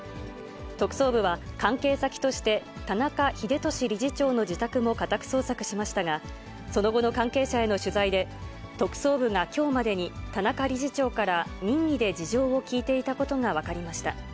特捜部は、関係先として田中英壽理事長の自宅も家宅捜索しましたが、その後の関係者への取材で、特捜部がきょうまでに田中理事長から任意で事情を聴いていたことが分かりました。